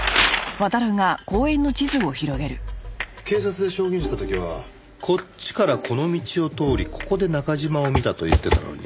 警察で証言した時はこっちからこの道を通りここで中嶋を見たと言ってたのに。